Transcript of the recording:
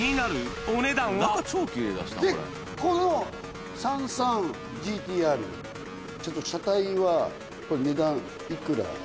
で、この３３ＧＴーＲ、ちょっと車体は、これ、値段いくら？